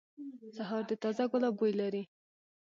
سهار د تازه ګلاب بوی لري.